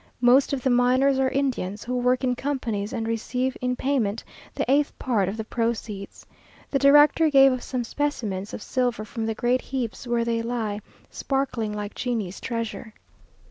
Most of the miners are Indians, who work in companies, and receive in payment the eighth part of the proceeds. The director gave us some specimens of silver from the great heaps where they lie, sparkling like genii's treasure.